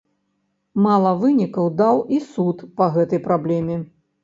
Мала вынікаў даў і суд па гэтай праблеме.